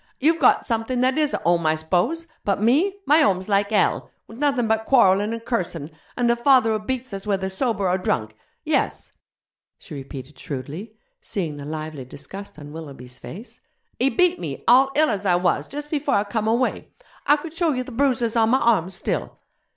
'You've got something that is a home, I s'pose? But me! my home's like hell, with nothing but quarrellin' and cursin', and a father who beats us whether sober or drunk. Yes!' she repeated shrewdly, seeing the lively disgust on Willoughby's face, 'he beat me, all ill as I was, jus' before I come away. I could show you the bruises on my arms still.